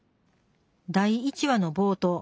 第１話の冒頭